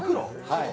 ・はい・